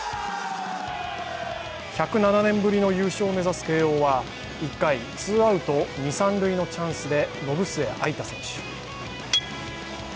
１０７年ぶりの優勝を目指す慶応は１回、ツーアウト二・三塁のチャンスで延末藍太選手。